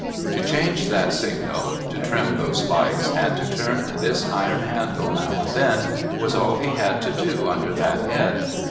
To change that signal, to trim those lights, and to turn this iron handle now and then, was all he had to do under that head.